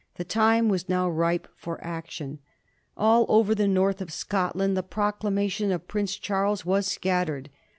The time was now ripe for action. All over the north of Scotland the Proclamation of Prince Charles was scattered.